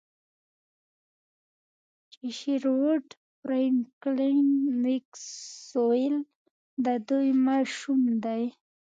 چې شیروډ فرینکلین میکسویل د دوی ماشوم دی